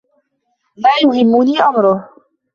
لا يهمني أمره.